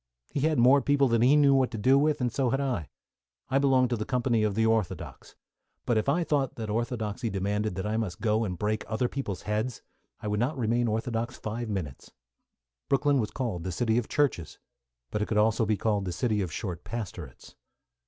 He had more people than he knew what to do with, and so had I. I belonged to the company of the orthodox, but if I thought that orthodoxy demanded that I must go and break other people's heads I would not remain orthodox five minutes. Brooklyn was called the city of churches, but it could also be called the city of short pastorates.